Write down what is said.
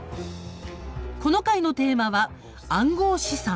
この回のテーマは「暗号資産」。